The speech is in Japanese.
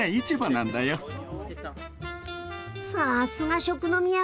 さすが食の都！